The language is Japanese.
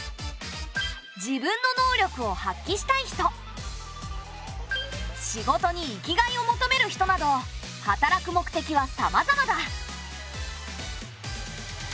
自分の能力を発揮したい人仕事に生きがいを求める人など働く目的はさまざまだ。